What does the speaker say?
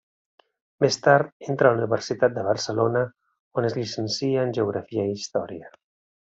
Més tard entra a la Universitat de Barcelona, on es llicencia en Geografia i Història.